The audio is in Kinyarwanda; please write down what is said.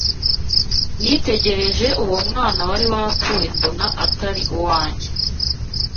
nitegereje uwo mwana wari wapfuye mbona atari uwanjye